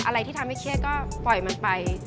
อะไรที่ทำให้เครียดก็ปล่อยมันไป